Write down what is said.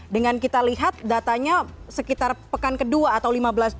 dengan kita lihat datanya sekitar pekan kedua atau lima bulan